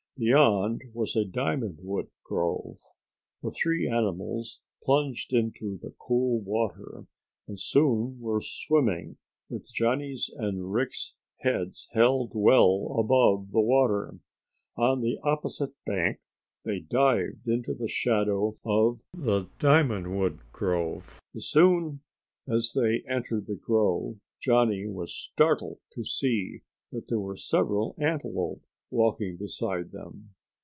Beyond was a diamond wood grove. The three animals plunged into the cool water, and soon were swimming, with Johnny's and Rick's heads held well above the water. On the opposite bank they dived into the shadow of the diamond wood grove. As soon as they entered the grove Johnny was startled to see that there were several antelope walking beside them.